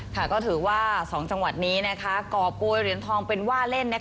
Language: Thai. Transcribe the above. ก็ถือว่า๒จังหวัดนี้ก่อโกยเหรียญทองเป็นว่าเล่น